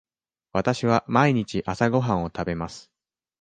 わたしは毎日朝ごはんを食べます。